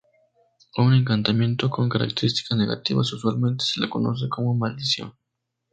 A un encantamiento con características negativas usualmente se le conoce como maldición.